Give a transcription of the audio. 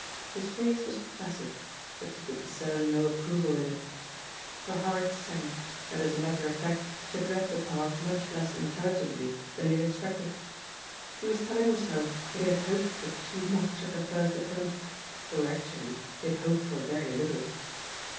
His face was placid, but she could discern no approval in it. Her heart sank, and as a matter of fact she had read the part much less intelligently than he had ex* pected. He was telling himself that he had hoped for too much at the first attempt, though actually he had hoped for very little.